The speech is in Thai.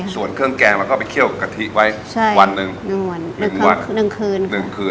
ส่วนเครื่องแกงแล้วก็ไปเคี่ยวกะทิไว้๑คืน